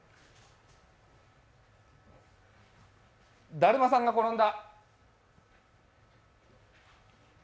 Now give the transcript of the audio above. だるまさんが転んだ。